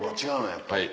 やっぱり。